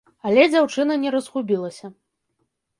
Але дзяўчына не разгубілася.